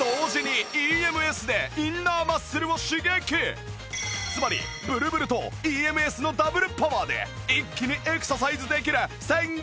同時につまりブルブルと ＥＭＳ のダブルパワーで一気にエクササイズできるすんごいマシン！